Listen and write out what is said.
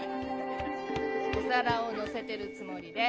お皿をのせてるつもりで。